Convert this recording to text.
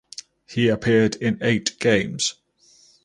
He appeared in eight games.